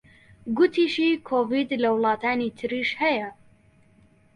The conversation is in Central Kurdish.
گوتیشی کۆڤید لە وڵاتانی تریش هەیە